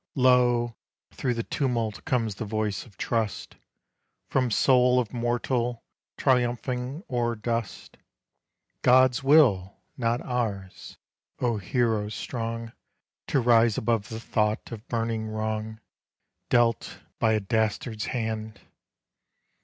Lo! through the tumult comes that voice of trust From soul of mortal triumphing o'er dust: "God's will, not ours;" O hero strong To rise above the thought of burning wrong Dealt by a dastard's hand!